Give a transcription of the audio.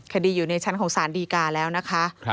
คดีอยู่ในชั้นของสารดีกาแล้วนะคะ